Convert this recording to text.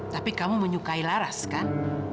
tapi kamu menyukai laras kan